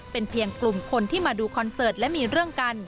เป็นเพียงกลุ่มคนที่มาดูคอนเสิร์ตและมีเรื่องกัน